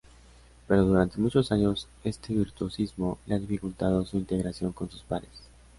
Pero durante muchos años, este virtuosismo le ha dificultado su integración con sus pares.